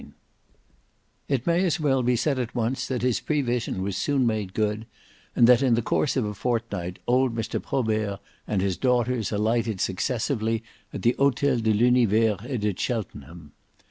VII It may as well be said at once that his prevision was soon made good and that in the course of a fortnight old Mr. Probert and his daughters alighted successively at the Hotel de l'Univers et de Cheltenham.